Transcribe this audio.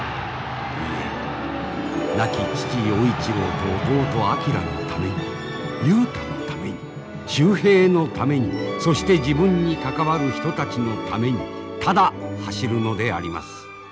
いえ亡き父陽一郎と弟昭のために雄太のために秀平のためにそして自分に関わる人たちのためにただ走るのであります。